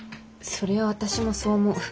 それは私もそう思う。